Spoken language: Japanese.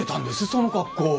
その格好。